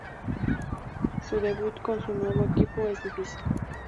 Su debut con su nuevo equipo es difícil.